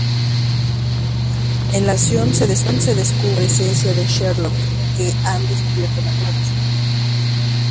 En la conversación se descubre la presencia de Sherlock, que ha descubierto la noticia.